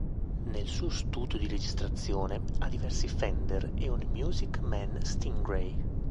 Nel suo studio di registrazione ha diversi Fender e un Music Man Stingray.